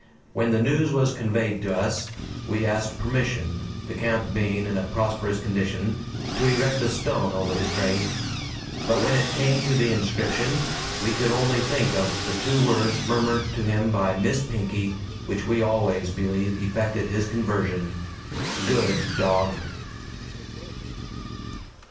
When the news was conveyed to us, we asked permission, the camp being in a prosperous condition, to erect a stone over his grave. But when it came to the inscription we could only think of the two words murmured to him by Miss Pinkey, which we always believe effected his conversion: "GOOD Dog!"